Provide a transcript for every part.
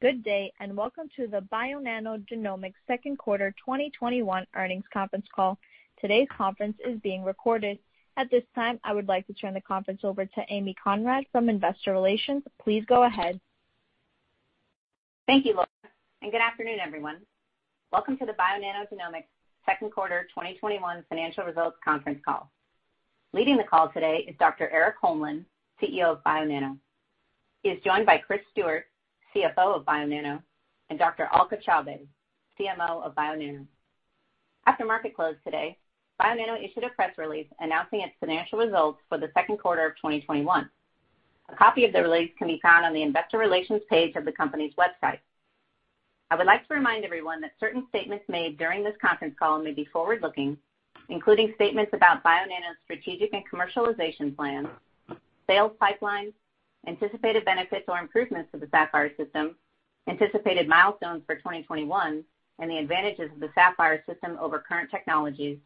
Good day, and welcome to the Bionano Genomics second quarter 2021 earnings conference call. Today's conference is being recorded. At this time, I would like to turn the conference over to Amy Conrad from Investor Relations. Please go ahead. Thank you, Laura, and good afternoon, everyone. Welcome to the Bionano Genomics second quarter 2021 financial results conference call. Leading the call today is Dr. Erik Holmlin, CEO of Bionano. He is joined by Chris Stewart, CFO of Bionano, and Dr. Alka Chaubey, CMO of Bionano. After market close today, Bionano issued a press release announcing its financial results for the second quarter of 2021. A copy of the release can be found on the investor relations page of the company's website. I would like to remind everyone that certain statements made during this conference call may be forward-looking, including statements about Bionano's strategic and commercialization plans, sales pipelines, anticipated benefits or improvements to the Saphyr system, anticipated milestones for 2021, and the advantages of the Saphyr system over current technologies,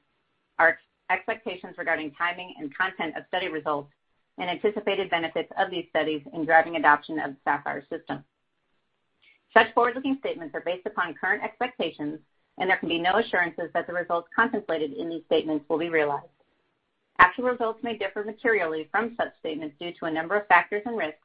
our expectations regarding timing and content of study results, and anticipated benefits of these studies in driving adoption of the Saphyr system. Such forward-looking statements are based upon current expectations, and there can be no assurances that the results contemplated in these statements will be realized. Actual results may differ materially from such statements due to a number of factors and risks,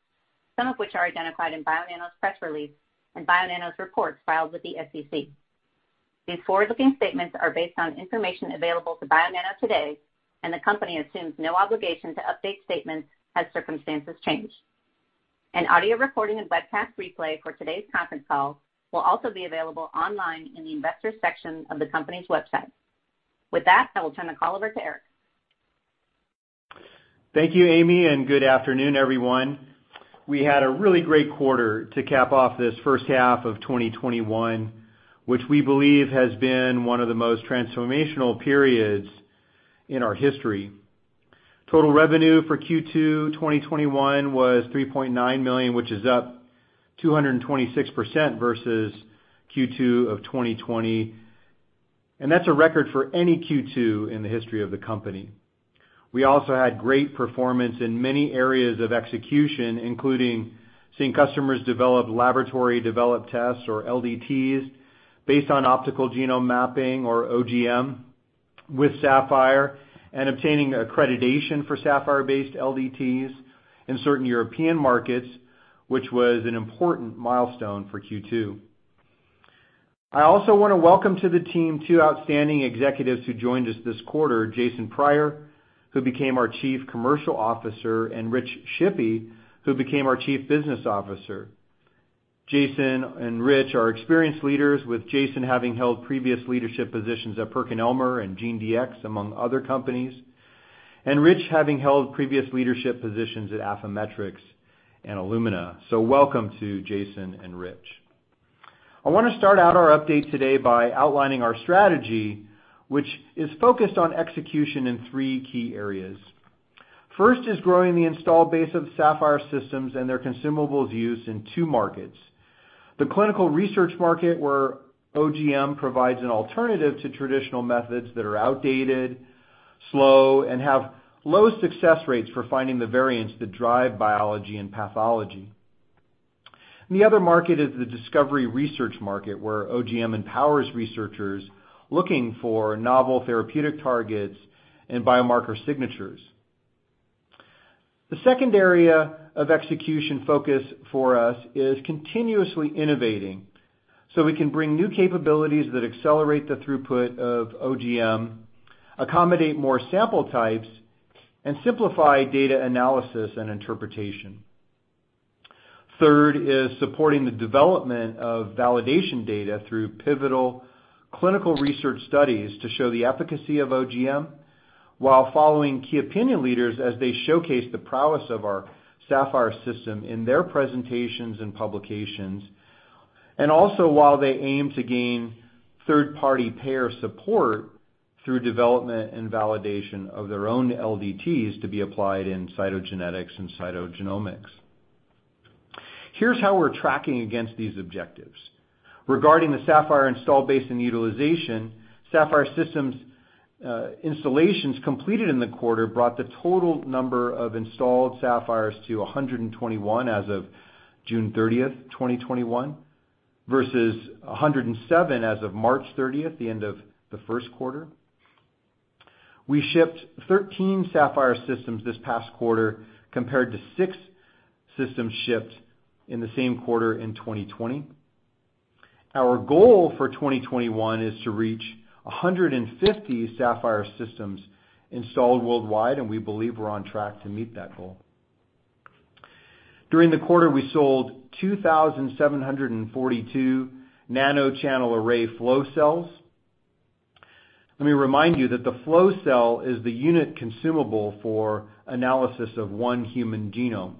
some of which are identified in Bionano's press release and Bionano's reports filed with the SEC. These forward-looking statements are based on information available to Bionano today, and the company assumes no obligation to update statements as circumstances change. An audio recording and webcast replay for today's conference call will also be available online in the investors section of the company's website. With that, I will turn the call over to Erik. Thank you, Amy, and good afternoon, everyone. We had a really great quarter to cap off this first half of 2021, which we believe has been one of the most transformational periods in our history. Total revenue for Q2 2021 was $3.9 million, which is up 226% versus Q2 of 2020, and that's a record for any Q2 in the history of the company. We also had great performance in many areas of execution, including seeing customers develop laboratory-developed tests, or LDTs, based on optical genome mapping or OGM with Saphyr and obtaining accreditation for Saphyr-based LDTs in certain European markets, which was an important milestone for Q2. I also want to welcome to the team two outstanding executives who joined us this quarter, Jason Priar, who became our Chief Commercial Officer, and Rich Shippy, who became our Chief Business Officer. Jason and Rich are experienced leaders with Jason having held previous leadership positions at PerkinElmer and GeneDx, among other companies, and Rich having held previous leadership positions at Affymetrix and Illumina. Welcome to Jason and Rich. I want to start out our update today by outlining our strategy, which is focused on execution in three key areas. First is growing the install base of Saphyr systems and their consumables used in two markets, the clinical research market, where OGM provides an alternative to traditional methods that are outdated, slow, and have low success rates for finding the variants that drive biology and pathology. The other market is the discovery research market, where OGM empowers researchers looking for novel therapeutic targets and biomarker signatures. The second area of execution focus for us is continuously innovating so we can bring new capabilities that accelerate the throughput of OGM, accommodate more sample types, and simplify data analysis and interpretation. Third is supporting the development of validation data through pivotal clinical research studies to show the efficacy of OGM while following key opinion leaders as they showcase the prowess of our Saphyr system in their presentations and publications, and also while they aim to gain third-party payer support through development and validation of their own LDTs to be applied in cytogenetics and cytogenomics. Here's how we're tracking against these objectives. Regarding the Saphyr install base and utilization, Saphyr systems installations completed in the quarter brought the total number of installed Saphyrs to 121 as of June 30th, 2021, versus 107 as of March 30th, the end of the first quarter. We shipped 13 Saphyr systems this past quarter compared to six systems shipped in the same quarter in 2020. Our goal for 2021 is to reach 150 Saphyr systems installed worldwide, and we believe we're on track to meet that goal. During the quarter, we sold 2,742 nanochannel array flow cells. Let me remind you that the flow cell is the unit consumable for analysis of one human genome.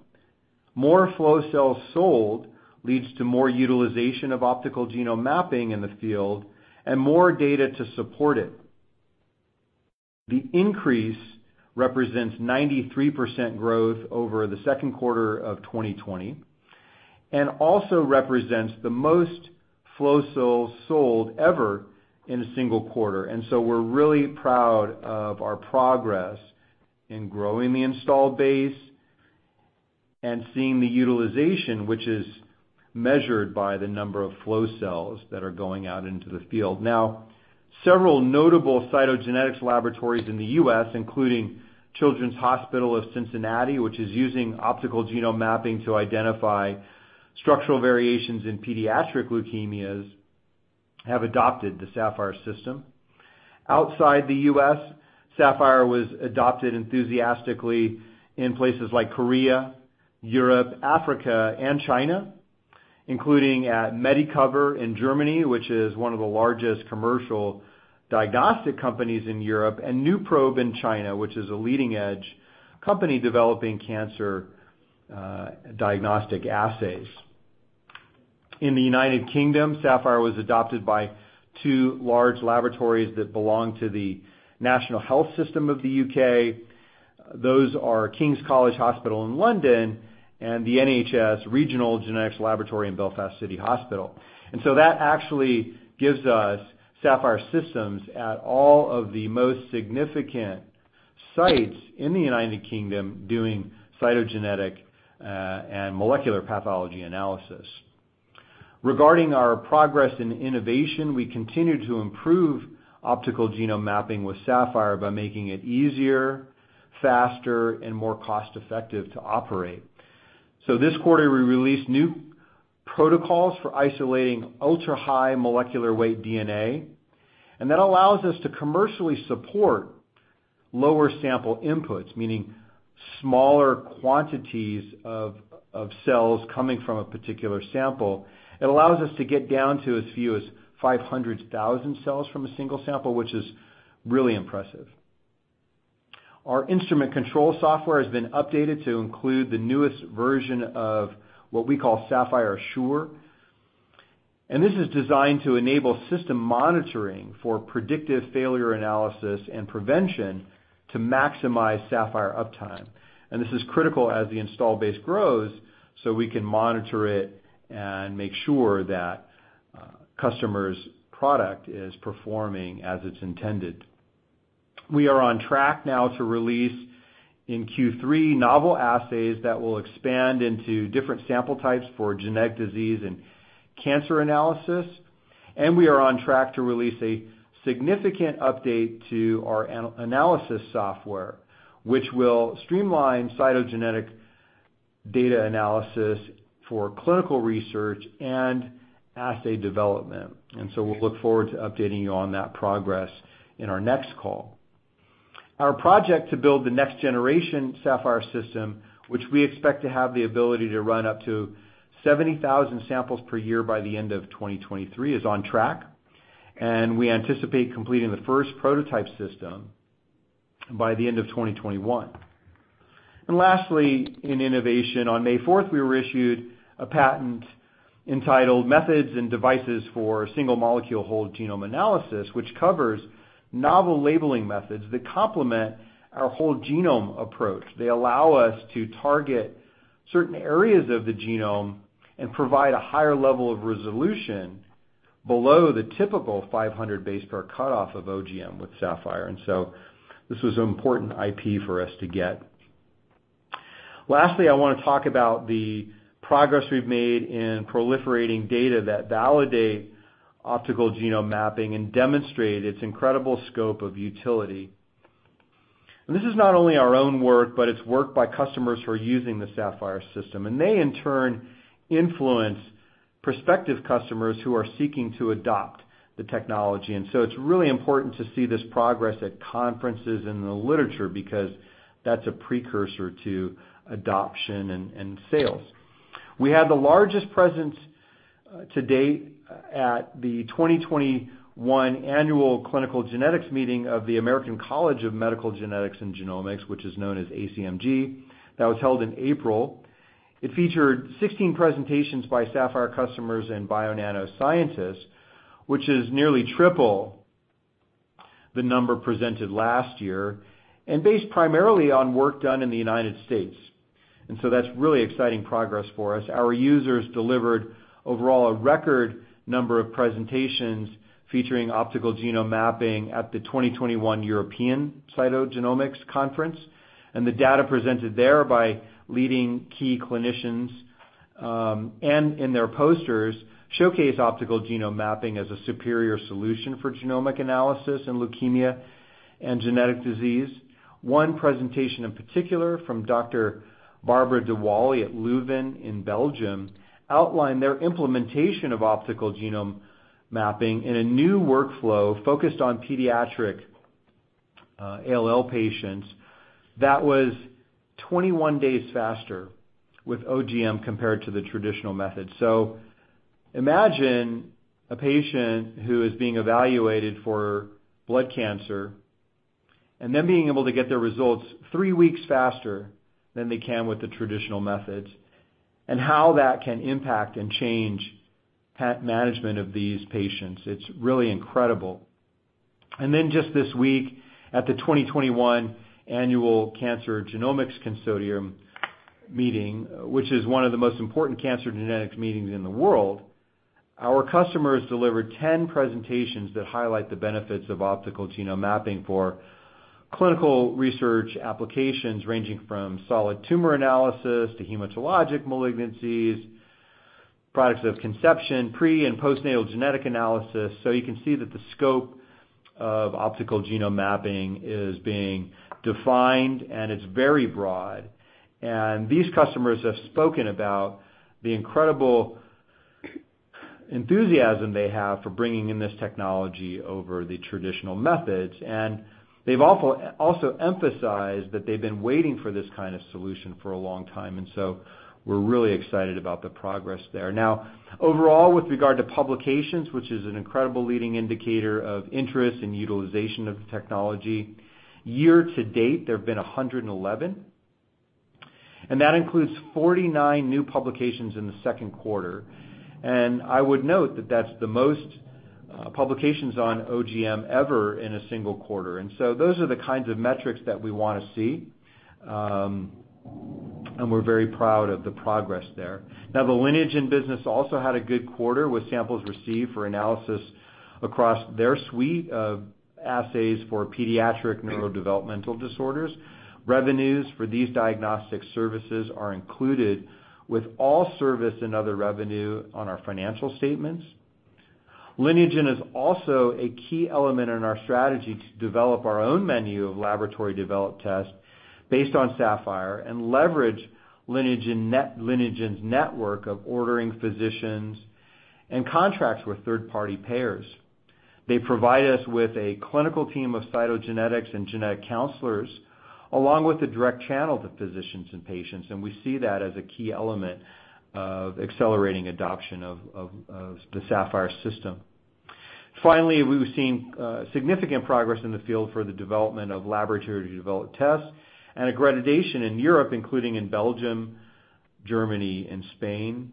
More flow cells sold leads to more utilization of optical genome mapping in the field and more data to support it. The increase represents 93% growth over the second quarter of 2020 and also represents the most flow cells sold ever in a single quarter, and so we're really proud of our progress in growing the installed base and seeing the utilization, which is measured by the number of flow cells that are going out into the field. Now, several notable cytogenetics laboratories in the U.S., including Children's Hospital of Cincinnati, which is using optical genome mapping to identify structural variations in pediatric leukemias, have adopted the Saphyr system. Outside the U.S., Saphyr was adopted enthusiastically in places like Korea, Europe, Africa, and China, including at Medicover in Germany, which is one of the largest commercial diagnostic companies in Europe, and NuProbe in China, which is a leading-edge company developing cancer diagnostic assays. In the United Kingdom, Saphyr was adopted by two large laboratories that belong to the National Health System of the U.K. Those are King's College Hospital in London and the NHS Regional Genetics Laboratory in Belfast City Hospital. That actually gives us Saphyr systems at all of the most significant sites in the United Kingdom doing cytogenetic and molecular pathology analysis. Regarding our progress in innovation, we continue to improve optical genome mapping with Saphyr by making it easier, faster, and more cost-effective to operate. This quarter, we released new protocols for isolating ultra-high molecular weight DNA, and that allows us to commercially support lower sample inputs, meaning smaller quantities of cells coming from a particular sample. It allows us to get down to as few as 500,000 cells from a single sample, which is really impressive. Our instrument control software has been updated to include the newest version of what we call Saphyr Assure, and this is designed to enable system monitoring for predictive failure analysis and prevention to maximize Saphyr uptime. This is critical as the install base grows so we can monitor it and make sure that customers' product is performing as it's intended. We are on track now to release in Q3 novel assays that will expand into different sample types for genetic disease and cancer analysis, and we are on track to release a significant update to our analysis software, which will streamline cytogenetic data analysis for clinical research and assay development. We'll look forward to updating you on that progress in our next call. Our project to build the next generation Saphyr system, which we expect to have the ability to run up to 70,000 samples per year by the end of 2023, is on track, and we anticipate completing the first prototype system by the end of 2021. Lastly, in innovation, on May 4th, we were issued a patent entitled "Methods and Devices for Single-Molecule Whole Genome Analysis," which covers novel labeling methods that complement our whole genome approach. They allow us to target certain areas of the genome and provide a higher level of resolution below the typical 500 base pair cutoff of OGM with Saphyr, and so, this was an important IP for us to get. Lastly, I want to talk about the progress we've made in proliferating data that validate optical genome mapping and demonstrate its incredible scope of utility. This is not only our own work, but it's work by customers who are using the Saphyr system, and they in turn influence prospective customers who are seeking to adopt the technology. It's really important to see this progress at conferences in the literature because that's a precursor to adoption and sales. We had the largest presence to date at the 2021 Annual Clinical Genetics Meeting of the American College of Medical Genetics and Genomics, which is known as ACMG. That was held in April. It featured 16 presentations by Saphyr customers and Bionano scientists, which is nearly triple the number presented last year, and based primarily on work done in the United States. That's really exciting progress for us. Our users delivered overall a record number of presentations featuring optical genome mapping at the 2021 European Cytogenomics Conference, and the data presented there by leading key clinicians, and in their posters, showcase optical genome mapping as a superior solution for genomic analysis in leukemia and genetic disease. One presentation in particular from Dr. Barbara Dewaele at Leuven in Belgium outlined their implementation of optical genome mapping in a new workflow focused on pediatric ALL patients that was 21 days faster with OGM compared to the traditional method. Imagine a patient who is being evaluated for blood cancer and them being able to get their results three weeks faster than they can with the traditional methods, and how that can impact and change management of these patients. It's really incredible. Just this week at the 2021 Annual Cancer Genomics Consortium Meeting, which is one of the most important cancer genetics meetings in the world, our customers delivered 10 presentations that highlight the benefits of optical genome mapping for clinical research applications, ranging from solid tumor analysis to hematologic malignancies, products of conception, pre and postnatal genetic analysis. You can see that the scope of optical genome mapping is being defined, and it's very broad. These customers have spoken about the incredible enthusiasm they have for bringing in this technology over the traditional methods. They've also emphasized that they've been waiting for this kind of solution for a long time. We're really excited about the progress there. Now, overall, with regard to publications, which is an incredible leading indicator of interest and utilization of the technology, year-to-date, there have been 111, and that includes 49 new publications in the second quarter. I would note that that's the most publications on OGM ever in a single quarter. Those are the kinds of metrics that we want to see, and we're very proud of the progress there. Now, the Lineagen business also had a good quarter with samples received for analysis across their suite of assays for pediatric neurodevelopmental disorders. Revenues for these diagnostic services are included with all service and other revenue on our financial statements. Lineagen is also a key element in our strategy to develop our own menu of laboratory-developed tests based on Saphyr and leverage Lineagen's network of ordering physicians and contracts with third-party payers. They provide us with a clinical team of cytogenetics and genetic counselors, along with a direct channel to physicians and patients, and we see that as a key element of accelerating adoption of the Saphyr system. Finally, we've seen significant progress in the field for the development of laboratory-developed tests and accreditation in Europe, including in Belgium, Germany, and Spain.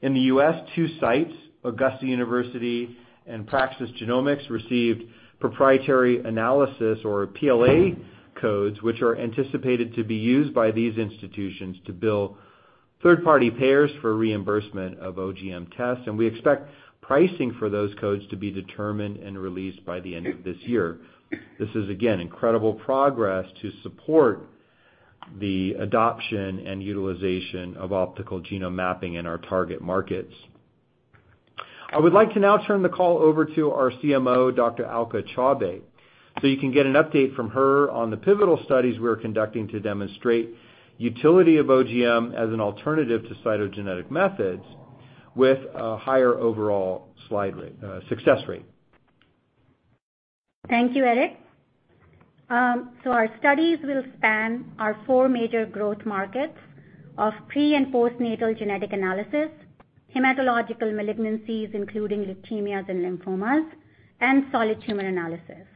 In the U.S., two sites, Augusta University and Praxis Genomics, received proprietary analysis or PLA codes, which are anticipated to be used by these institutions to bill third-party payers for reimbursement of OGM tests, and we expect pricing for those codes to be determined and released by the end of this year. This is, again, incredible progress to support the adoption and utilization of optical genome mapping in our target markets. I would like to now turn the call over to our CMO, Dr. Alka Chaubey, so you can get an update from her on the pivotal studies we're conducting to demonstrate utility of OGM as an alternative to cytogenetic methods with a higher overall success rate. Thank you, Erik. Our studies will span our four major growth markets of pre and postnatal genetic analysis, hematological malignancies, including leukemias and lymphomas, and solid tumor analysis.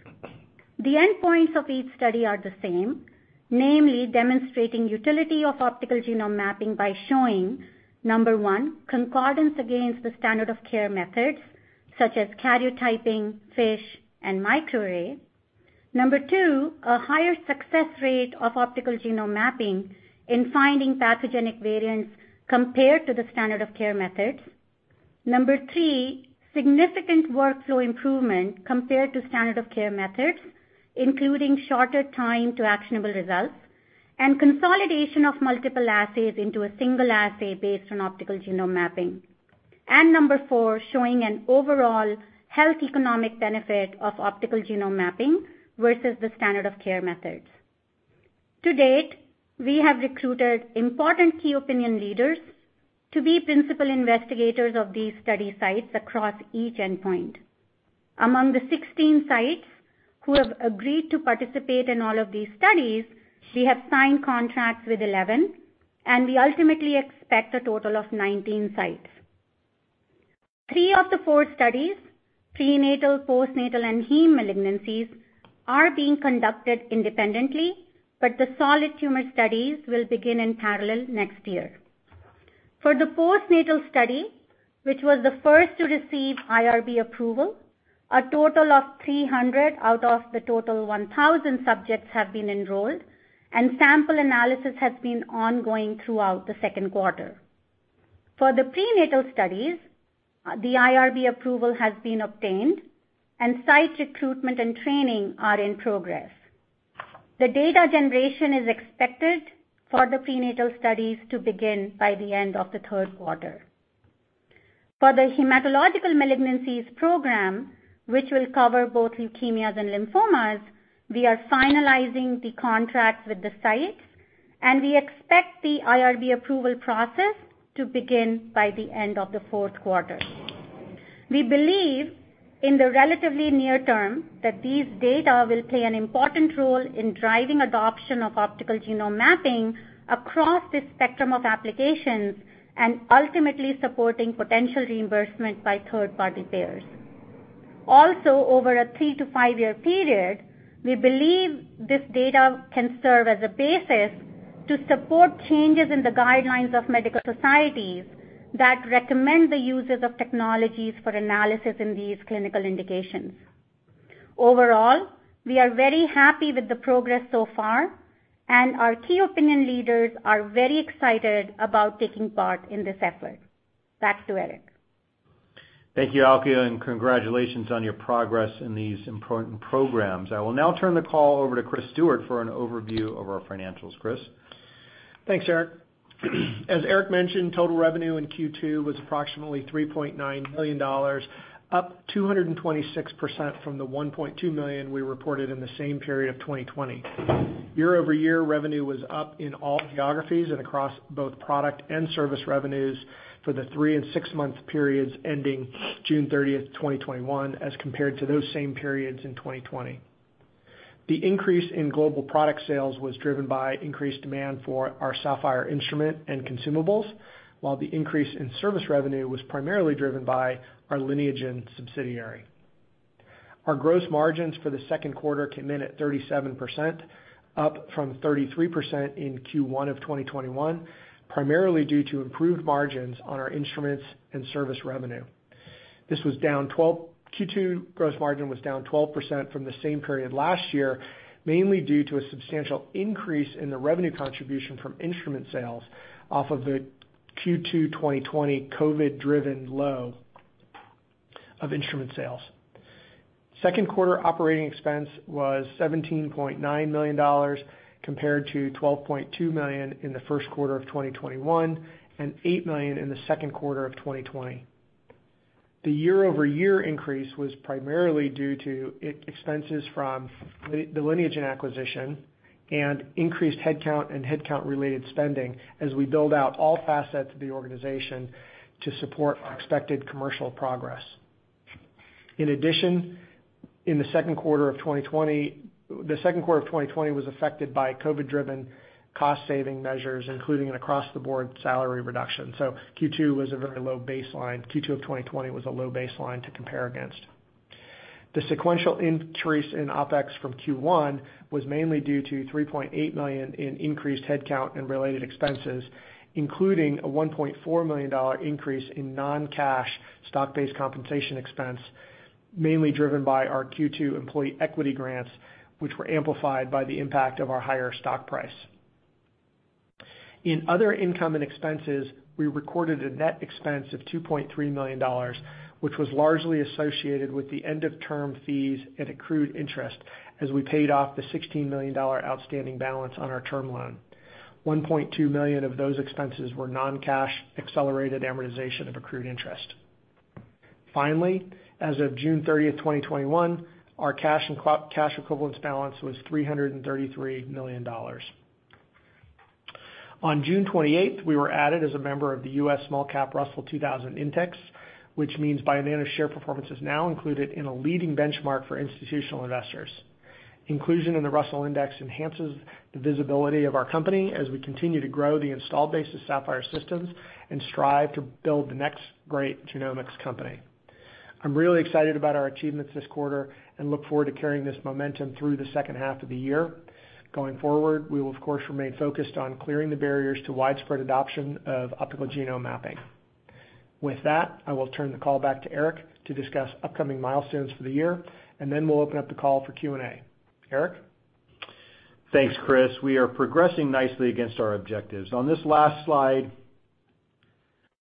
The end points of each study are the same, namely demonstrating utility of optical genome mapping by showing, number one, concordance against the standard of care methods such as karyotyping, FISH, and microarray. Number two, a higher success rate of optical genome mapping in finding pathogenic variants compared to the standard of care methods. Number three, significant workflow improvement compared to standard of care methods, including shorter time to actionable results and consolidation of multiple assays into a single assay based on optical genome mapping. Number four, showing an overall health economic benefit of optical genome mapping versus the standard of care methods. To date, we have recruited important key opinion leaders to be principal investigators of these study sites across each endpoint. Among the 16 sites who have agreed to participate in all of these studies, we have signed contracts with 11, and we ultimately expect a total of 19 sites. Three of the four studies, prenatal, postnatal, and hem malignancies, are being conducted independently, but the solid tumor studies will begin in parallel next year. For the postnatal study, which was the first to receive IRB approval, a total of 300 out of the total 1,000 subjects have been enrolled, and sample analysis has been ongoing throughout the second quarter. For the prenatal studies, the IRB approval has been obtained, and site recruitment and training are in progress. The data generation is expected for the prenatal studies to begin by the end of the third quarter. For the hematological malignancies program, which will cover both leukemias and lymphomas, we are finalizing the contracts with the sites, and we expect the IRB approval process to begin by the end of the fourth quarter. We believe in the relatively near term that these data will play an important role in driving adoption of optical genome mapping across the spectrum of applications and ultimately supporting potential reimbursement by third-party payers. Also, over a three- to five-year period, we believe this data can serve as a basis to support changes in the guidelines of medical societies that recommend the uses of technologies for analysis in these clinical indications. Overall, we are very happy with the progress so far, and our key opinion leaders are very excited about taking part in this effort. Back to Erik. Thank you, Alka, and congratulations on your progress in these important programs. I will now turn the call over to Chris Stewart for an overview of our financials. Chris? Thanks, Erik. As Erik mentioned, total revenue in Q2 was approximately $3.9 million, up 226% from the $1.2 million we reported in the same period of 2020. Year-over-year, revenue was up in all geographies and across both product and service revenues for the three- and six-month periods ending June 30th, 2021, as compared to those same periods in 2020. The increase in global product sales was driven by increased demand for our Saphyr instrument and consumables, while the increase in service revenue was primarily driven by our Lineagen subsidiary. Our gross margins for the second quarter came in at 37%, up from 33% in Q1 of 2021, primarily due to improved margins on our instruments and service revenue. Q2 gross margin was down 12% from the same period last year, mainly due to a substantial increase in the revenue contribution from instrument sales off of the Q2 2020 COVID-driven low of instrument sales. Second quarter operating expense was $17.9 million, compared to $12.2 million in the first quarter of 2021, and $8 million in the second quarter of 2020. The year-over-year increase was primarily due to expenses from the Lineagen acquisition and increased headcount and headcount-related spending as we build out all facets of the organization to support our expected commercial progress. In addition, the second quarter of 2020 was affected by COVID-driven cost saving measures, including an across-the-board salary reduction, so Q2 of 2020 was a very low baseline to compare against. The sequential increase in OpEx from Q1 was mainly due to $3.8 million in increased headcount and related expenses, including a $1.4 million increase in non-cash stock-based compensation expense, mainly driven by our Q2 employee equity grants, which were amplified by the impact of our higher stock price. In other income and expenses, we recorded a net expense of $2.3 million, which was largely associated with the end-of-term fees and accrued interest as we paid off the $16 million outstanding balance on our term loan. $1.2 million of those expenses were non-cash accelerated amortization of accrued interest. Finally, as of June 30th, 2021, our cash equivalents balance was $333 million. On June 28th, we were added as a member of the U.S. Small Cap Russell 2000 Index, which means Bionano share performance is now included in a leading benchmark for institutional investors. Inclusion in the Russell Index enhances the visibility of our company as we continue to grow the installed base of Saphyr systems and strive to build the next great genomics company. I'm really excited about our achievements this quarter and look forward to carrying this momentum through the second half of the year. Going forward, we will of course, remain focused on clearing the barriers to widespread adoption of optical genome mapping. With that, I will turn the call back to Erik to discuss upcoming milestones for the year, and then we'll open up the call for Q&A. Erik? Thanks, Chris. We are progressing nicely against our objectives. On this last slide,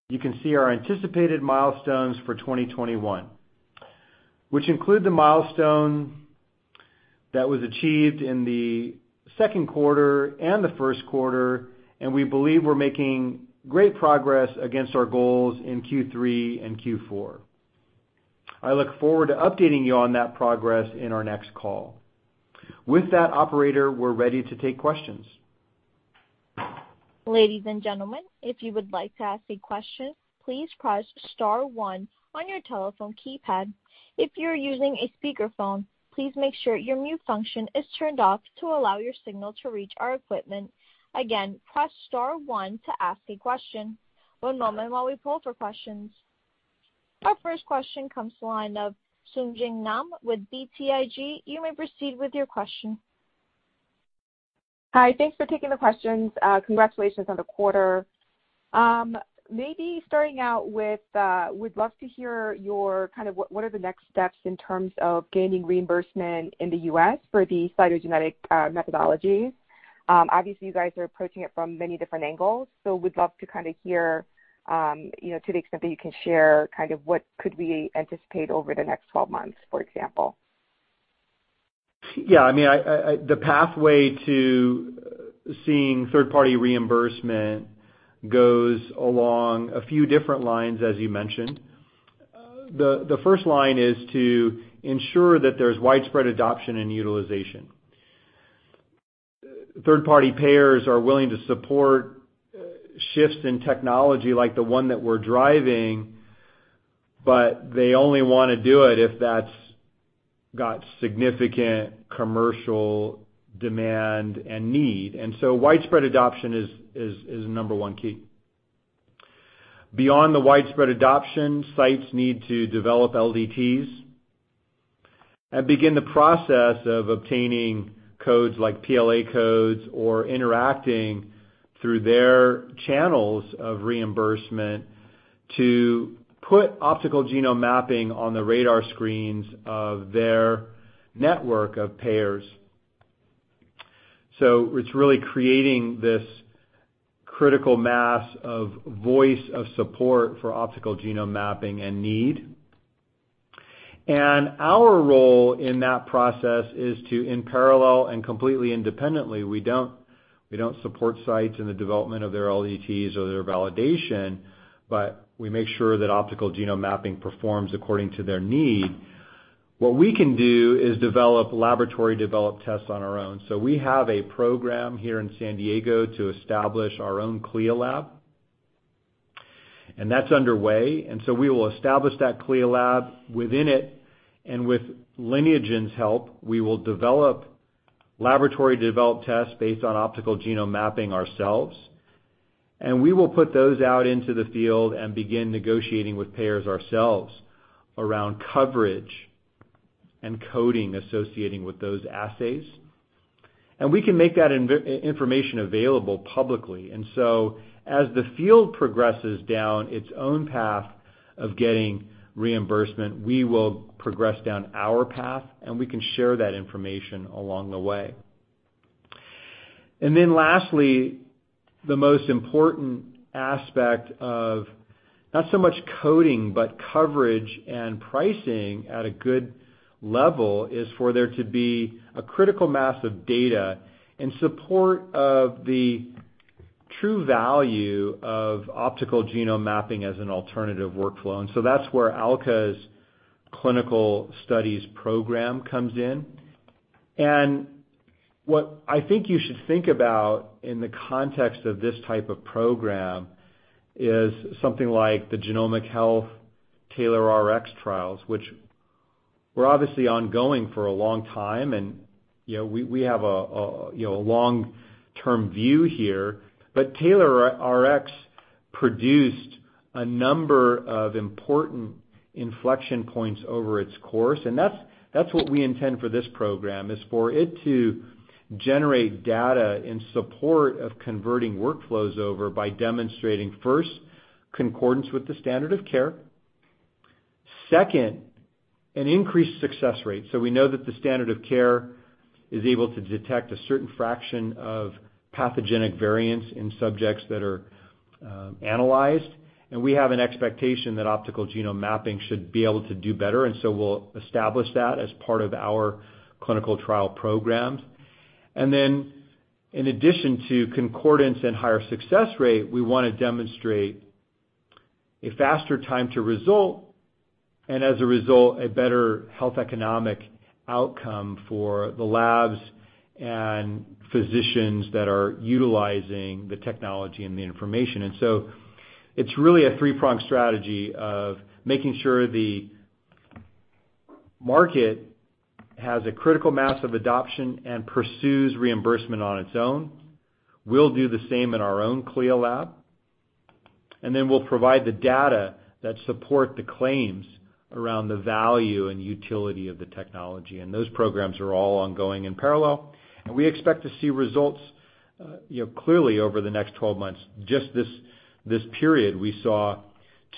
you can see our anticipated milestones for 2021, which include the milestone that was achieved in the second quarter and the first quarter, and we believe we're making great progress against our goals in Q3 and Q4. I look forward to updating you on that progress in our next call. With that, operator, we're ready to take questions. Ladies and gentlemen, if you would like to ask a question, please press star one on your telephone keypad. If you're using a speaker phone, please make sure your mute function is turned off to allow your signal to reach our equipment. Again, press star one to ask a question. One moment while we poll for questions. Our first question comes to line of Sung Ji Nam with BTIG. You may proceed with your question. Hi. Thanks for taking the questions. Congratulations on the quarter. Maybe starting out with, would love to hear your kind of what are the next steps in terms of gaining reimbursement in the U.S. for the cytogenetic methodology? Obviously, you guys are approaching it from many different angles, so would love to kind of hear, to the extent that you can share, kind of what could we anticipate over the next 12 months, for example? Yeah, I mean, the pathway to seeing third-party reimbursement goes along a few different lines, as you mentioned. The first line is to ensure that there's widespread adoption and utilization. Third-party payers are willing to support shifts in technology like the one that we're driving, but they only want to do it if that's got significant commercial demand and need, and so widespread adoption is the number one key. Beyond the widespread adoption, sites need to develop LDTs and begin the process of obtaining codes like PLA codes or interacting through their channels of reimbursement to put optical genome mapping on the radar screens of their network of payers. So, it's really creating this critical mass of voice of support for optical genome mapping and need. Our role in that process is to, in parallel and completely independently, we don't support sites in the development of their LDTs or their validation, but we make sure that optical genome mapping performs according to their need. What we can do is develop laboratory-developed tests on our own. We have a program here in San Diego to establish our own CLIA lab, and that's underway. We will establish that CLIA lab within it, and with Lineagen's help, we will develop laboratory-developed tests based on optical genome mapping ourselves. We will put those out into the field and begin negotiating with payers ourselves around coverage and coding associating with those assays. We can make that information available publicly. As the field progresses down its own path of getting reimbursement, we will progress down our path, and we can share that information along the way. Lastly, the most important aspect of, not so much coding, but coverage and pricing at a good level, is for there to be a critical mass of data in support of the true value of optical genome mapping as an alternative workflow. That's where Alka's clinical studies program comes in. What I think you should think about in the context of this type of program is something like the Genomic Health TAILORx trials, which were obviously ongoing for a long time, and we have a long-term view here. TAILORx produced a number of important inflection points over its course. That's what we intend for this program, is for it to generate data in support of converting workflows over by demonstrating, first, concordance with the standard of care. Second, an increased success rate. We know that the standard of care is able to detect a certain fraction of pathogenic variants in subjects that are analyzed, and we have an expectation that optical genome mapping should be able to do better, so we'll establish that as part of our clinical trial programs. In addition to concordance and higher success rate, we want to demonstrate a faster time to result, and as a result, a better health economic outcome for the labs and physicians that are utilizing the technology and the information. It's really a three-pronged strategy of making sure the market has a critical mass of adoption and pursues reimbursement on its own. We'll do the same in our own CLIA lab. We'll provide the data that support the claims around the value and utility of the technology. Those programs are all ongoing in parallel, and we expect to see results clearly over the next 12 months. Just this period, we saw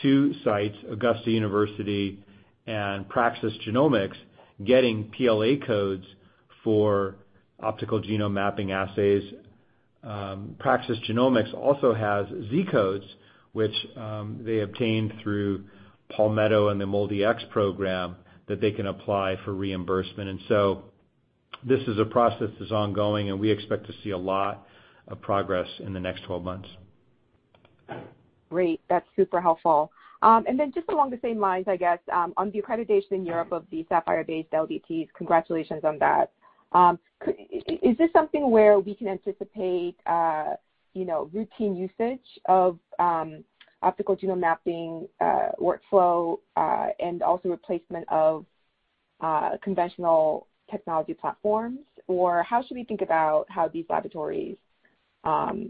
two sites, Augusta University and Praxis Genomics, getting PLA codes for optical genome mapping assays. Praxis Genomics also has Z codes, which they obtained through Palmetto and the MolDX program that they can apply for reimbursement. This is a process that's ongoing, and we expect to see a lot of progress in the next 12 months. Great. That's super helpful. Just along the same lines, I guess, on the accreditation in Europe of the Saphyr-based LDTs, congratulations on that. Is this something where we can anticipate routine usage of optical genome mapping workflow, and also replacement of conventional technology platforms? How should we think about how these laboratories?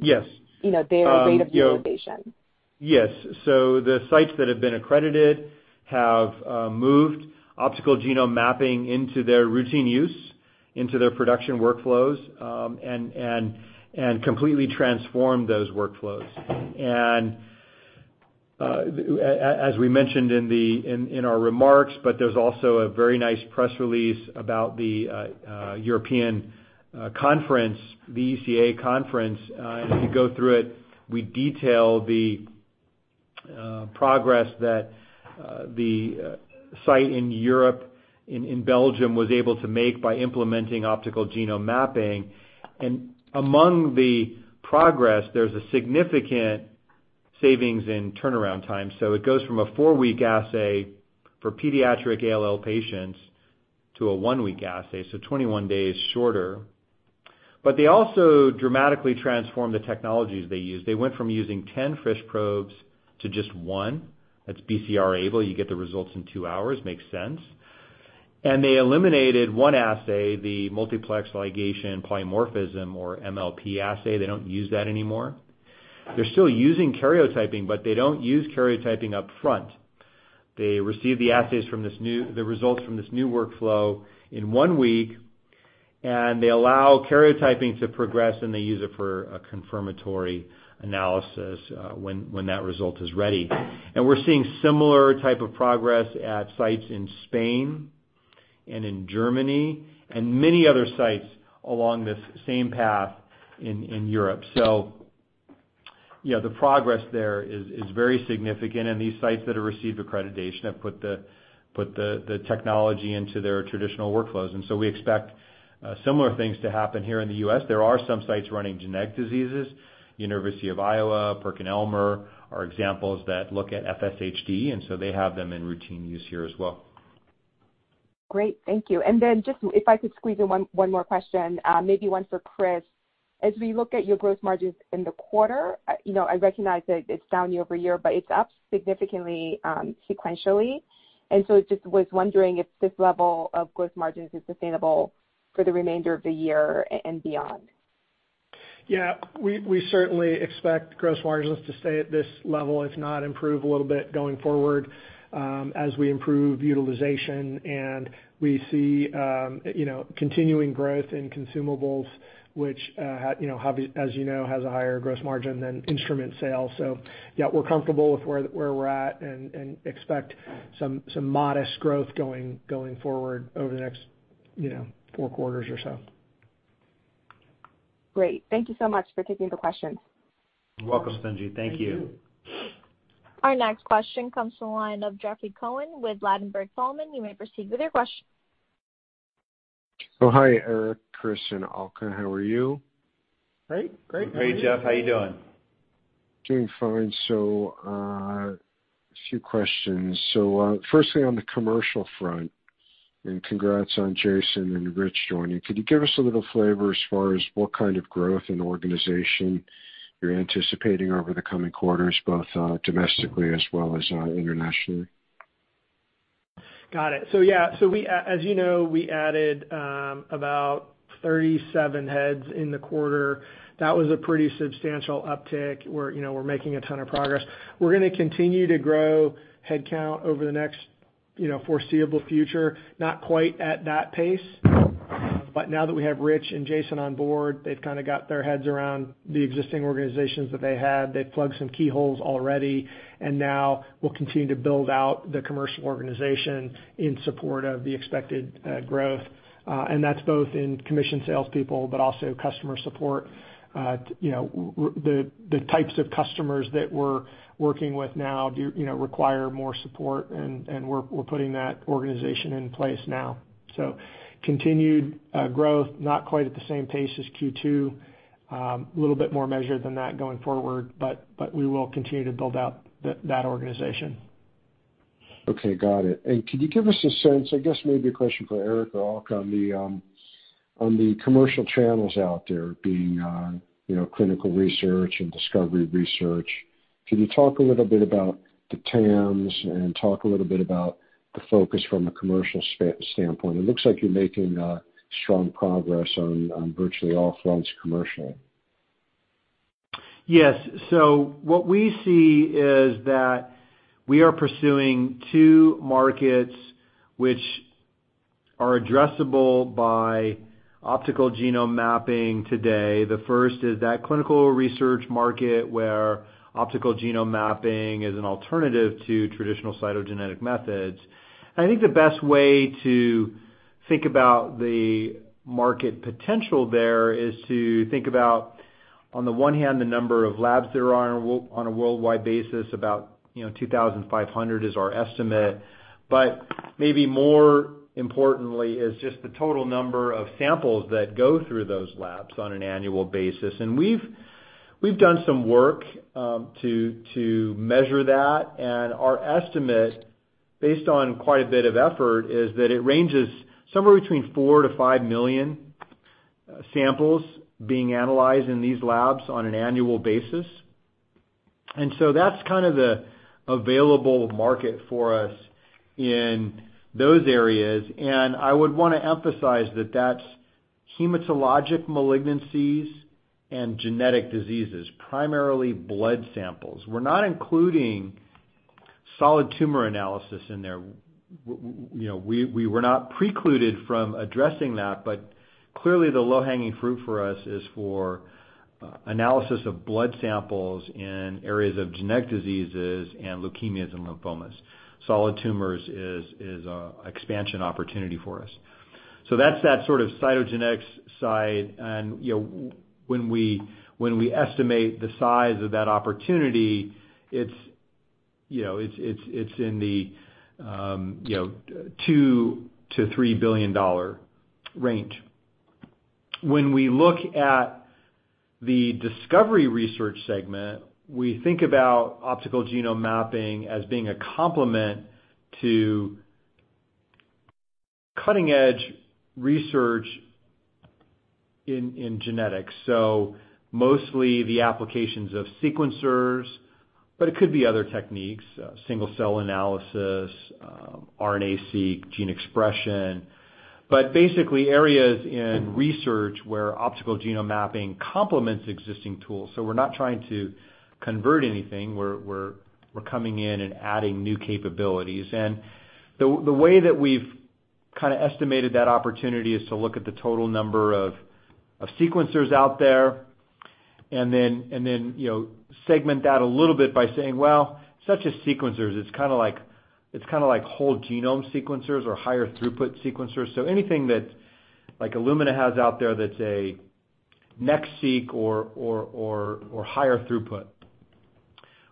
Yes. In their rate of utilization? Yes. The sites that have been accredited have moved optical genome mapping into their routine use, into their production workflows, and completely transformed those workflows. As we mentioned in our remarks, but there's also a very nice press release about the European Conference, the ECA Conference, if you go through it, we detail the progress that the site in Europe, in Belgium, was able to make by implementing optical genome mapping. Among the progress, there's a significant savings in turnaround time. It goes from a four-week assay for pediatric ALL patients to a one-week assay, so 21 days shorter. They also dramatically transformed the technologies they used. They went from using 10 FISH probes to just one. That's BCR-ABL, you get the results in two hours, makes sense. They eliminated one assay, the multiplex ligation-dependent probe amplification, or MLPA assay. They don't use that anymore. They're still using karyotyping, but they don't use karyotyping up front. They receive the results from this new workflow in one week, and they allow karyotyping to progress, and they use it for a confirmatory analysis, when that result is ready. We're seeing similar type of progress at sites in Spain and in Germany and many other sites along this same path in Europe. The progress there is very significant, and these sites that have received accreditation have put the technology into their traditional workflows. We expect similar things to happen here in the U.S. There are some sites running genetic diseases, University of Iowa, PerkinElmer are examples that look at FSHD, and so they have them in routine use here as well. Great. Thank you. Just if I could squeeze in one more question, maybe one for Chris. As we look at your gross margins in the quarter, I recognize that it's down year-over-year, but it's up significantly, sequentially. Just was wondering if this level of gross margins is sustainable for the remainder of the year and beyond. We certainly expect gross margins to stay at this level, if not improve a little bit going forward, as we improve utilization and we see continuing growth in consumables, which, as you know, has a higher gross margin than instrument sales. We're comfortable with where we're at and expect some modest growth going forward over the next four quarters or so. Great. Thank you so much for taking the questions. You're welcome, Sung Ji. Thank you. Thank you. Our next question comes from the line of Jeffrey Cohen with Ladenburg Thalmann. You may proceed with your question. Oh, hi, Erik, Chris and Alka. How are you? Great. How are you? Great, Jeff. How you doing? Doing fine. A few questions. Firstly, on the commercial front, and congrats on Jason and Rich joining. Could you give us a little flavor as far as what kind of growth in the organization you're anticipating over the coming quarters, both domestically as well as internationally? Got it. Yeah, as you know, we added about 37 heads in the quarter. That was a pretty substantial uptick. We're making a ton of progress. We're going to continue to grow headcount over the next foreseeable future, not quite at that pace. But now that we have Rich and Jason on board, they've kind of got their heads around the existing organizations that they had. They've plugged some key holes already, and now, we'll continue to build out the commercial organization in support of the expected growth. That's both in commission salespeople, but also customer support. The types of customers that we're working with now require more support, and we're putting that organization in place now. So, continued growth, not quite at the same pace as Q2, a little bit more measured than that going forward, but we will continue to build out that organization. Okay, got it. Could you give us a sense, I guess maybe a question for Erik or Alka, on the commercial channels out there being clinical research and discovery research? Could you talk a little bit about the TAMs and talk a little bit about the focus from a commercial standpoint? It looks like you're making strong progress on virtually all fronts commercial. Yes. What we see is that we are pursuing two markets which are addressable by optical genome mapping today. The first is that clinical research market, where optical genome mapping is an alternative to traditional cytogenetic methods. I think the best way to think about the market potential there is to think about, on the one hand, the number of labs there are on a worldwide basis, about 2,500 is our estimate. Maybe, more importantly, is just the total number of samples that go through those labs on an annual basis. We've done some work to measure that, and our estimate, based on quite a bit of effort, is that it ranges somewhere between 4 million-5 million samples being analyzed in these labs on an annual basis. That's kind of the available market for us in those areas. I would want to emphasize that's hematologic malignancies and genetic diseases, primarily blood samples. We're not including solid tumor analysis in there. We were not precluded from addressing that, but clearly the low-hanging fruit for us is for analysis of blood samples in areas of genetic diseases and leukemias and lymphomas. Solid tumors is an expansion opportunity for us. That's that sort of cytogenetics side, and when we estimate the size of that opportunity, it's in the $2 billion-$3 billion range. When we look at the discovery research segment, we think about optical genome mapping as being a complement to cutting-edge research in genetics, so mostly the applications of sequencers, but it could be other techniques, single-cell analysis, RNA-seq, gene expression. But basically, areas in research where optical genome mapping complements existing tools. We're not trying to convert anything. We're coming in and adding new capabilities. The way that we've kind of estimated that opportunity is to look at the total number of sequencers out there and then segment that a little bit by saying, well, such as sequencers, it's kind of like whole genome sequencers or higher throughput sequencers. Anything that Illumina has out there, that's a NextSeq or higher throughput,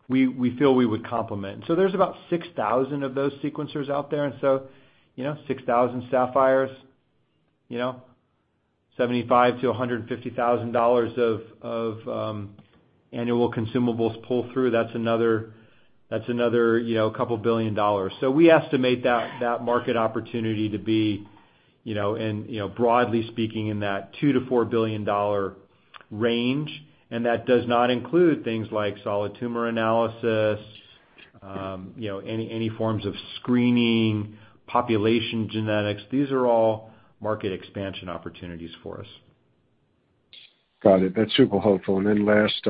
we feel we would complement. There's about 6,000 of those sequencers out there, and so 6,000 Saphyr, $75,000-$150,000 of annual consumables pull through, that's another couple billion dollars. We estimate that market opportunity to be, broadly speaking, in that $2 billion-$4 billion range, and that does not include things like solid tumor analysis, any forms of screening, population genetics. These are all market expansion opportunities for us. Got it. That's super helpful. Last,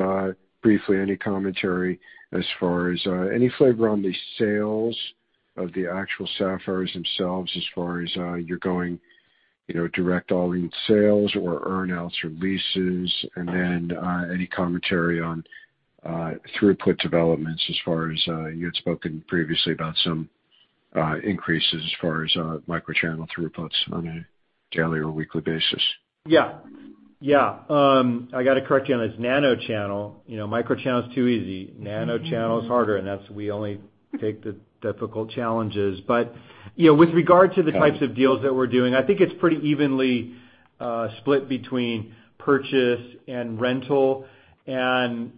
briefly, any commentary as far as any flavor on the sales of the actual Saphyr themselves as far as you're going direct all-in sales or earn-outs or leases? Any commentary on throughput developments as far as you had spoken previously about some increases as far as microchannel throughputs on a daily or weekly basis. Yeah. I got to correct you on this. Nanochannel. Microchannel's too easy. Nanochannel is harder, and that's we only take the difficult challenges. With regard to the types of deals that we're doing, I think it's pretty evenly split between purchase and rental, and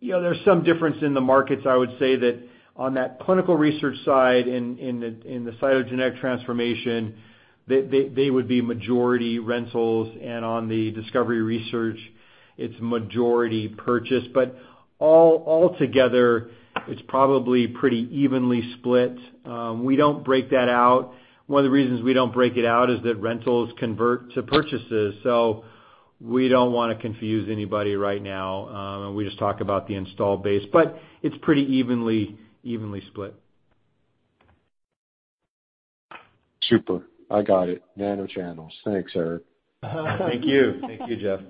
there's some difference in the markets, I would say, that on that clinical research side in the cytogenetic transformation, they would be majority rentals, and on the discovery research, it's majority purchase. Altogether, it's probably pretty evenly split. We don't break that out. One of the reasons we don't break it out is that rentals convert to purchases. We don't want to confuse anybody right now. We just talk about the install base, but it's pretty evenly split. Super. I got it. Nanochannels. Thanks, Erik. Thank you. Thank you, Jeff.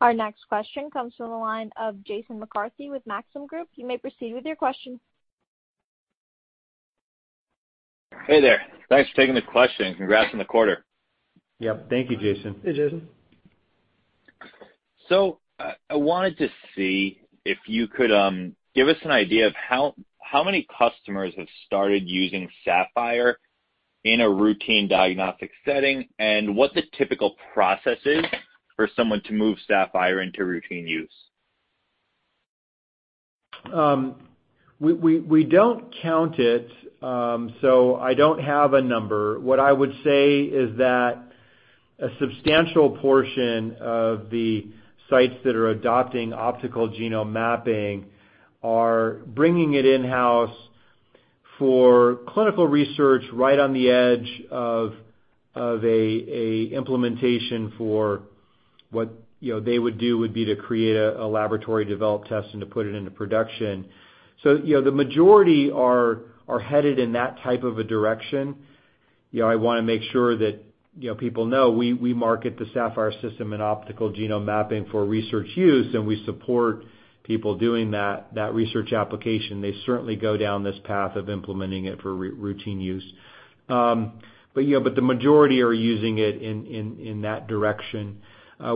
Our next question comes from the line of Jason McCarthy with Maxim Group. You may proceed with your question. Hey there. Thanks for taking the question. Congrats on the quarter. Yep. Thank you, Jason. Hey, Jason. I wanted to see if you could give us an idea of how many customers have started using Saphyr in a routine diagnostic setting, and what the typical process is for someone to move Saphyr into routine use. We don't count it, so I don't have a number. What I would say is that a substantial portion of the sites that are adopting optical genome mapping are bringing it in-house for clinical research right on the edge of a implementation for what they would do would be to create a laboratory-developed test and to put it into production. The majority are headed in that type of a direction. I want to make sure that people know we market the Saphyr system and optical genome mapping for research use, and we support people doing that research application. They certainly go down this path of implementing it for routine use. The majority are using it in that direction.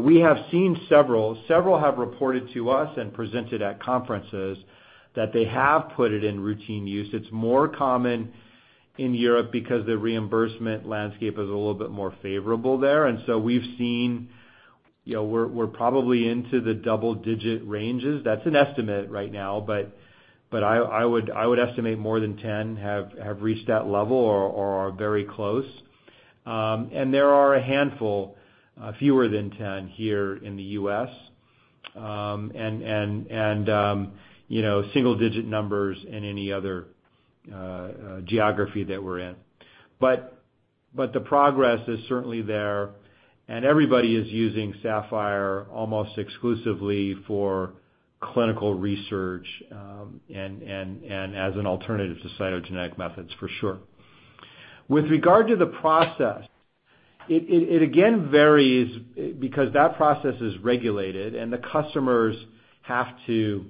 We have seen several. Several have reported to us and presented at conferences that they have put it in routine use. It's more common in Europe because the reimbursement landscape is a little bit more favorable there. We've seen, we're probably into the double-digit ranges. That's an estimate right now, but I would estimate more than 10 have reached that level or are very close. There are a handful, fewer than 10, here in the U.S., and single-digit numbers in any other geography that we're in. The progress is certainly there, and everybody is using Saphyr almost exclusively for clinical research, and as an alternative to cytogenetics, for sure. With regard to the process, it again varies because that process is regulated, and the customers have to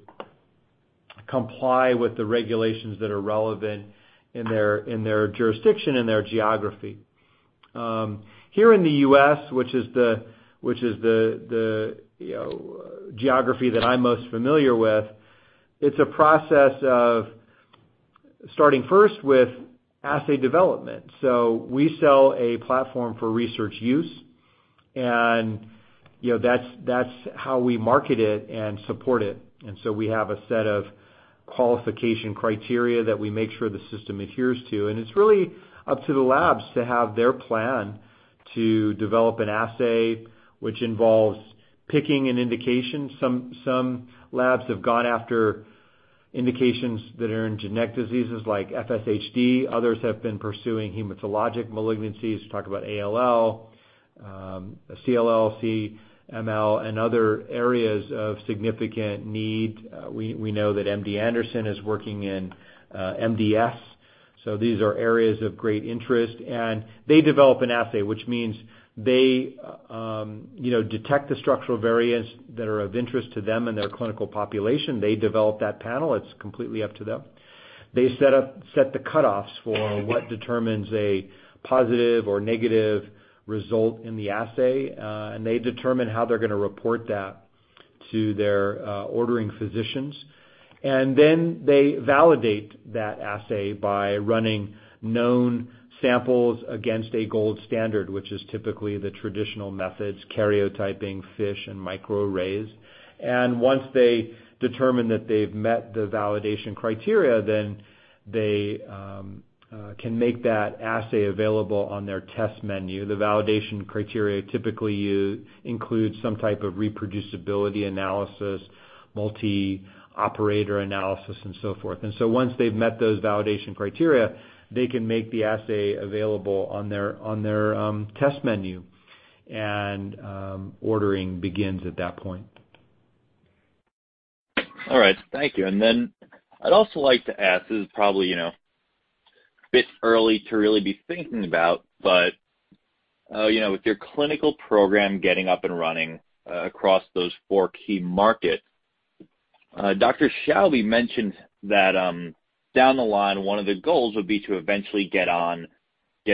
comply with the regulations that are relevant in their jurisdiction and their geography. Here in the U.S., which is the geography that I'm most familiar with, it's a process of starting first with assay development. We sell a platform for research use, and that's how we market it and support it. We have a set of qualification criteria that we make sure the system adheres to, and it's really up to the labs to have their plan to develop an assay, which involves picking an indication. Some labs have gone after indications that are in genetic diseases like FSHD, others have been pursuing hematologic malignancies, talk about ALL, CLL, CML, and other areas of significant need. We know that MD Anderson is working in MDS, so these are areas of great interest. They develop an assay, which means they detect the structural variants that are of interest to them and their clinical population. They develop that panel. It's completely up to them. They set the cutoffs for what determines a positive or negative result in the assay. They determine how they're going to report that to their ordering physicians. Then, they validate that assay by running known samples against a gold standard, which is typically the traditional methods, karyotyping, FISH, and microarrays. Once they determine that they've met the validation criteria, then they can make that assay available on their test menu. The validation criteria typically include some type of reproducibility analysis, multi-operator analysis, and so forth. Once they've met those validation criteria, they can make the assay available on their test menu. Ordering begins at that point. All right. Thank you. I'd also like to ask, this is probably a bit early to really be thinking about, but with your clinical program getting up and running across those four key markets, Dr. Chaubey mentioned that down the line, one of the goals would be to eventually get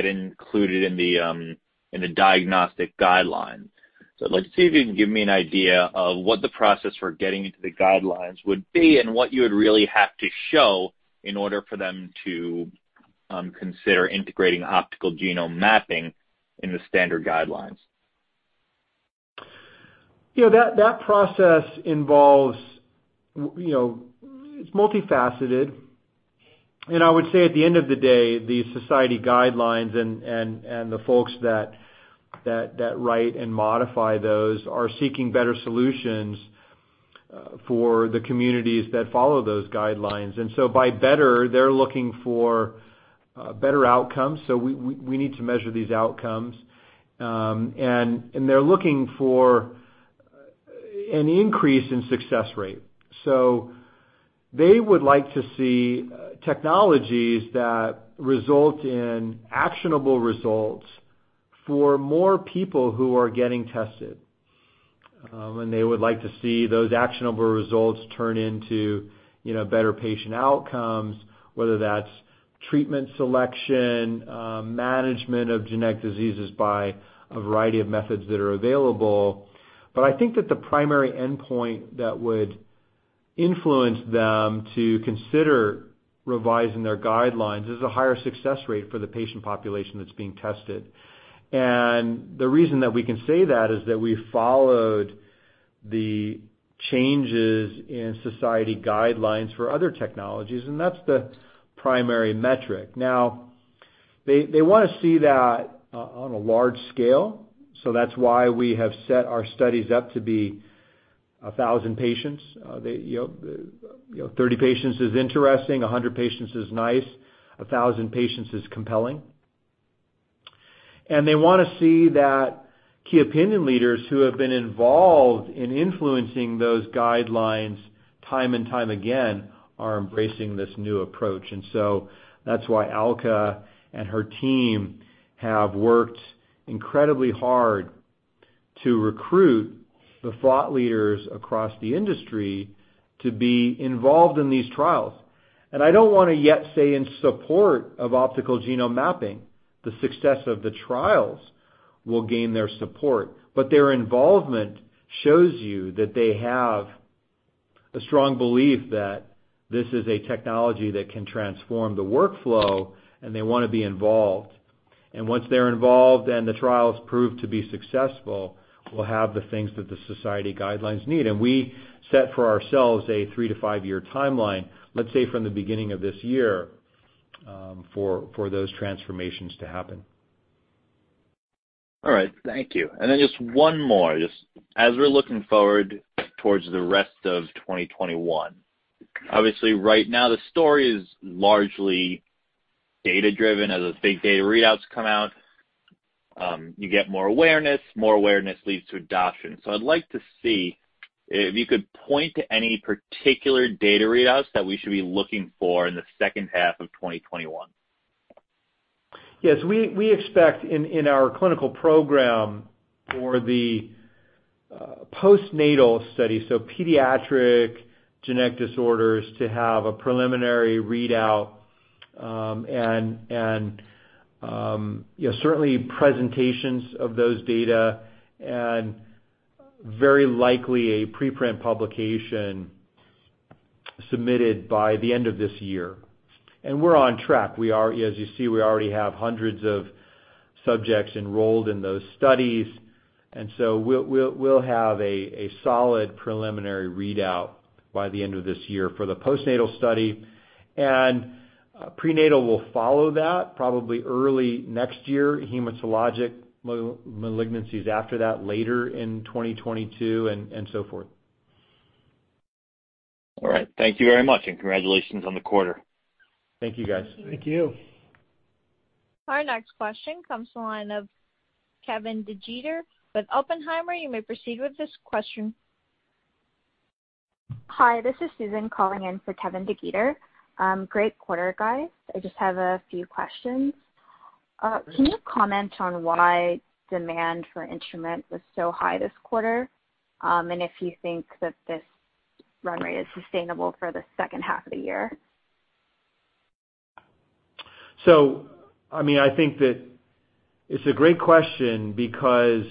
included in the diagnostic guidelines. Let's see if you can give me an idea of what the process for getting into the guidelines would be and what you would really have to show in order for them to consider integrating optical genome mapping in the standard guidelines. That process involves, you know, it's multifaceted. I would say at the end of the day, the society guidelines and the folks that write and modify those are seeking better solutions for the communities that follow those guidelines. By better, they're looking for better outcomes, so we need to measure these outcomes. They're looking for an increase in success rate. They would like to see technologies that result in actionable results for more people who are getting tested. They would like to see those actionable results turn into better patient outcomes, whether that's treatment selection, management of genetic diseases by a variety of methods that are available. I think that the primary endpoint that would influence them to consider revising their guidelines is a higher success rate for the patient population that's being tested. The reason that we can say that is that we followed the changes in society guidelines for other technologies. That's the primary metric. They want to see that on a large scale, so that's why we have set our studies up to be 1,000 patients. 30 patients is interesting, 100 patients is nice, 1,000 patients is compelling. They want to see that key opinion leaders who have been involved in influencing those guidelines time and time again are embracing this new approach. That's why Alka and her team have worked incredibly hard to recruit the thought leaders across the industry to be involved in these trials. I don't want to yet say in support of optical genome mapping, the success of the trials will gain their support, but their involvement shows you that they have a strong belief that this is a technology that can transform the workflow, and they want to be involved. Once they're involved and the trials prove to be successful, we'll have the things that the society guidelines need. We set for ourselves a three- to five-year timeline, let's say, from the beginning of this year, for those transformations to happen. All right. Thank you. Just one more. Just as we're looking forward towards the rest of 2021, obviously right now the story is largely data-driven. As those big data readouts come out, you get more awareness, more awareness leads to adoption. I'd like to see if you could point to any particular data readouts that we should be looking for in the second half of 2021. Yes, we expect in our clinical program for the postnatal study, so pediatric genetic disorders, to have a preliminary readout, and certainly presentations of those data and very likely a preprint publication submitted by the end of this year. We're on track. As you see, we already have hundreds of subjects enrolled in those studies, and so we'll have a solid preliminary readout by the end of this year for the postnatal study. Prenatal will follow that probably early next year, hematologic malignancies after that, later in 2022 and so forth. All right. Thank you very much. Congratulations on the quarter. Thank you, guys. Thank you. Our next question comes to the line of Kevin DeGeeter with Oppenheimer. You may proceed with this question. Hi, this is Susan calling in for Kevin DeGeeter. Great quarter, guys. I just have a few questions. Great. Can you comment on why demand for instruments was so high this quarter? If you think that this run rate is sustainable for the second half of the year? I think that it's a great question because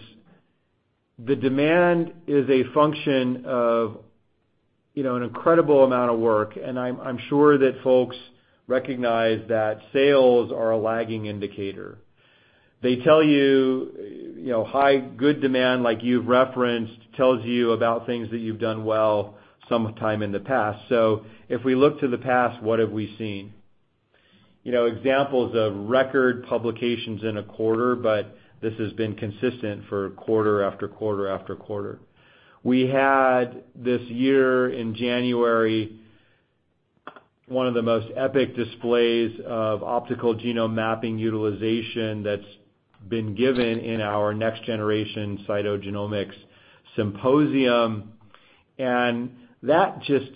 the demand is a function of an incredible amount of work, and I'm sure that folks recognize that sales are a lagging indicator. They tell you high, good demand, like you've referenced, tells you about things that you've done well sometime in the past. If we look to the past, what have we seen? Examples of record publications in a quarter, but this has been consistent for quarter, after quarter, after quarter. We had, this year in January, one of the most epic displays of optical genome mapping utilization that's been given in our Next-Generation Cytogenomics Symposium. That just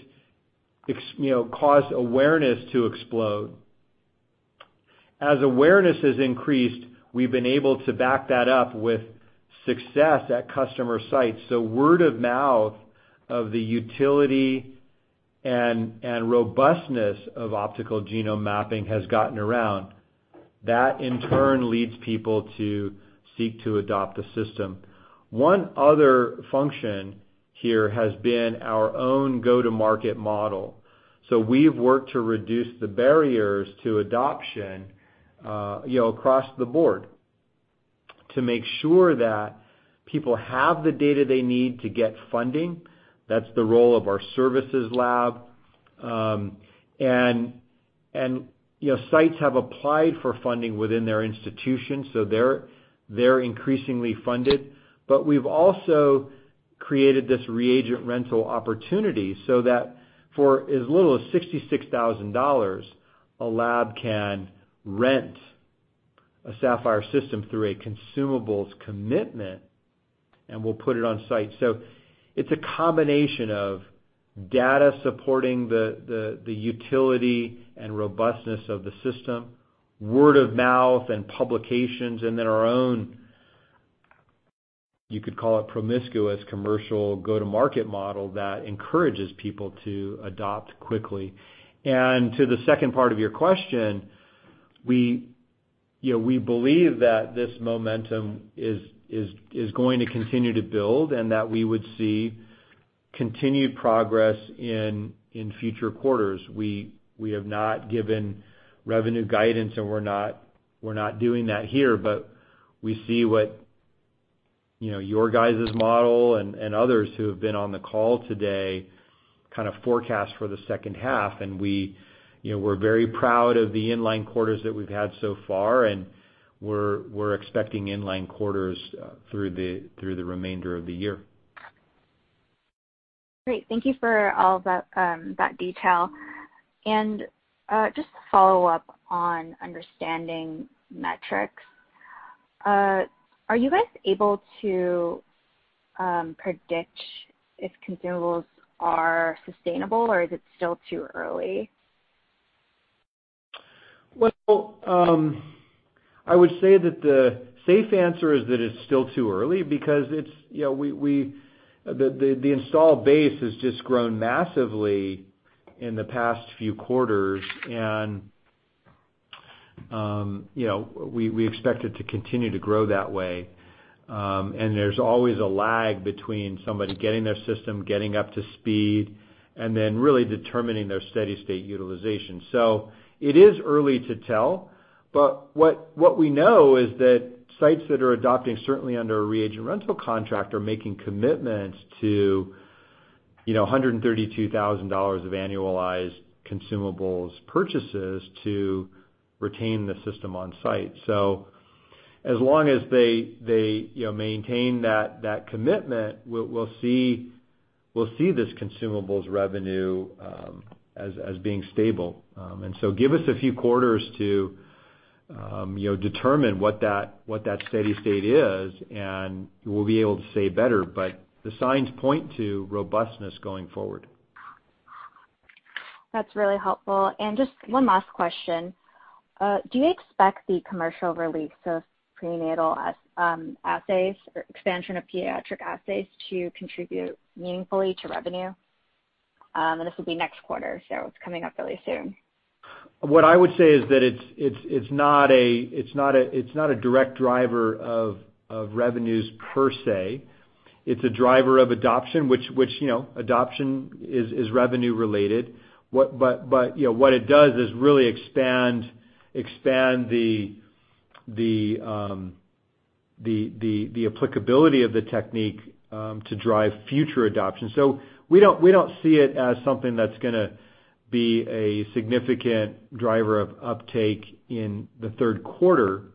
caused awareness to explode. As awareness has increased, we've been able to back that up with success at customer sites. Word of mouth of the utility and robustness of optical genome mapping has gotten around. That, in turn, leads people to seek to adopt the system. One other function here has been our own go-to-market model. We've worked to reduce the barriers to adoption across the board to make sure that people have the data they need to get funding. That's the role of our services lab. Sites have applied for funding within their institutions, so they're increasingly funded. We've also created this reagent rental opportunity so that for as little as $66,000, a lab can rent a Saphyr system through a consumables commitment, and we'll put it on site. It's a combination of data supporting the utility and robustness of the system, word of mouth and publications, and then our own, you could call it promiscuous commercial go-to-market model that encourages people to adopt quickly. To the second part of your question, we believe that this momentum is going to continue to build and that we would see continued progress in future quarters. We have not given revenue guidance, and we're not doing that here, but we see what your guys' model and others who have been on the call today kind of forecast for the second half. We're very proud of the in-line quarters that we've had so far, and we're expecting in-line quarters through the remainder of the year. Great. Thank you for all that detail. Just to follow up on understanding metrics, are you guys able to predict if consumables are sustainable, or is it still too early? Well, I would say that the safe answer is that it's still too early because the installed base has just grown massively in the past few quarters. We expect it to continue to grow that way. There's always a lag between somebody getting their system, getting up to speed, and then really determining their steady state utilization. It is early to tell, but what we know is that sites that are adopting, certainly under a reagent rental contract, are making commitments to $132,000 of annualized consumables purchases to retain the system on site. As long as they maintain that commitment, we'll see this consumables revenue as being stable. Give us a few quarters to determine what that steady state is, and we'll be able to say better. But the signs point to robustness going forward. That's really helpful. Just one last question. Do you expect the commercial release of prenatal assays or expansion of pediatric assays to contribute meaningfully to revenue? This will be next quarter, so it's coming up really soon. What I would say is that it's not a direct driver of revenues per se. It's a driver of adoption, which adoption is revenue related. What it does is really expand the applicability of the technique to drive future adoption. We don't see it as something that's going to be a significant driver of uptake in the third quarter,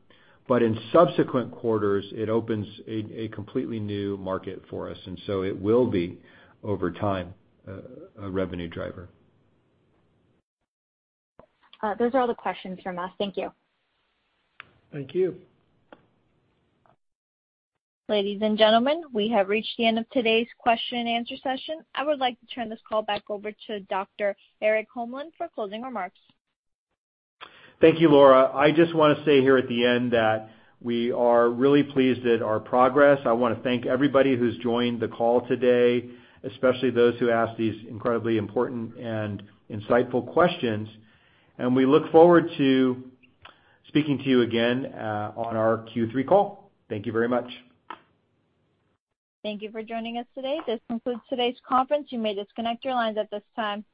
but in subsequent quarters, it opens a completely new market for us. It will be, over time, a revenue driver. Those are all the questions from us. Thank you. Thank you. Ladies and gentlemen, we have reached the end of today's question-and-answer session. I would like to turn this call back over to Dr. Erik Holmlin for closing remarks. Thank you, Laura. I just want to say here at the end that we are really pleased at our progress. I want to thank everybody who's joined the call today, especially those who asked these incredibly important and insightful questions. We look forward to speaking to you again on our Q3 call. Thank you very much. Thank you for joining us today. This concludes today's conference. You may disconnect your lines at this time.